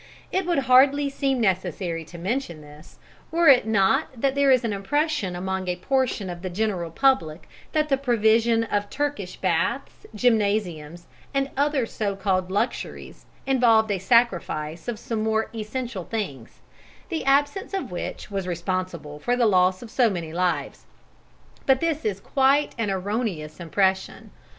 It would hardly seem necessary to mention this, were it not that there is an impression among a portion of the general public that the provision of Turkish baths, gymnasiums, and other so called luxuries involved a sacrifice of some more essential things, the absence of which was responsible for the loss of so many lives. But this is quite an erroneous impression.